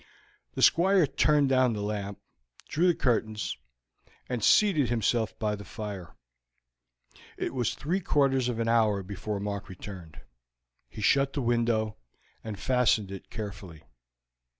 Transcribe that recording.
The Squire turned down the lamp, drew the curtains, and seated himself by the fire. It was three quarters of an hour before Mark returned. He shut the window, and fastened it carefully.